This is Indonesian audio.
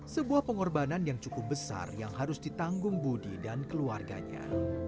sebuah pengorbanan yang cukup besar yang harus ditanggung budi dan keluarganya